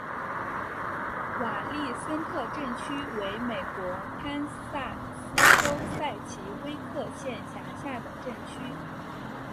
瓦利森特镇区为美国堪萨斯州塞奇威克县辖下的镇区。